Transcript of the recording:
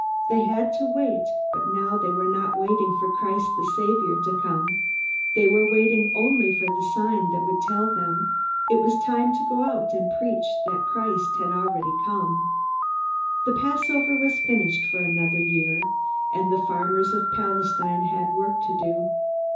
They had to wait; but now they were not waiting for Christ the Saviour to come. They were waiting only for the sign that would tell them it was time to go out and preach that Christ had already come. The Passover was finished for another year, and the farmers of Palestine had work to do.